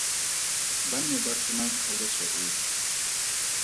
Ba ne ba sena tlhaloso epe.